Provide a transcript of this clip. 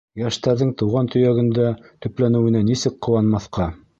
Йәштәрҙең тыуған төйәгендә төпләнеүенә нисек ҡыуанмаҫҡа!